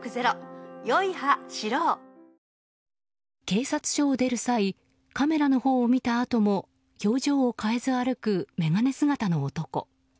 警察署を出る際カメラのほうを見たあとも表情を変えず歩く眼鏡姿の男。